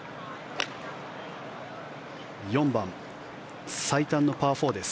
４番、最短のパー４です。